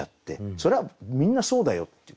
それはみんなそうだよっていう。